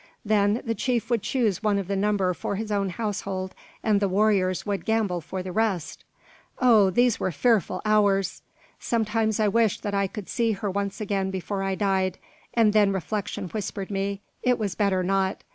Then the chief would choose one of the number for his own household, and the warriors would "gamble" for the rest! Oh, these were fearful hours! Sometimes I wished that I could see her again once before I died. And then reflection whispered me, it was better not.